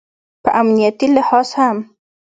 په امنیتي لحاظ هم